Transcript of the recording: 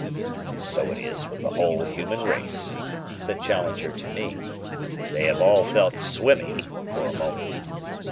"So it is with the whole human race," said Challenger to me. "They have all felt swimmy for a moment.